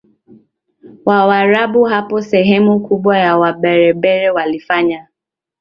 wa Waarabu Hapo sehemu kubwa ya Waberber walifanya